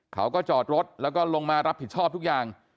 เขาก็จอดรถแล้วก็ลงมารับผิดชอบทุกอย่าง